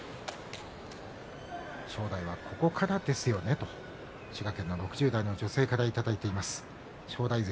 正代はここからですよねと滋賀県の６０代の女性からいただいています。